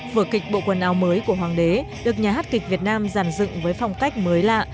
vở kịch bộ quần áo mới của hoàng đế được nhà hát kịch việt nam giàn dựng với phong cách mới lạ